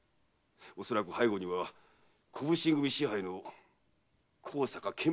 おそらく背後には小普請組支配の高坂監物殿が。